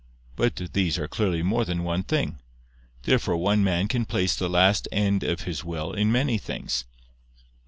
But these are clearly more than one thing. Therefore one man can place the last end of his will in many things.